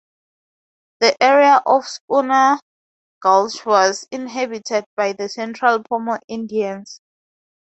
The area of Schooner Gulch was inhabited by the Central Pomo Indians.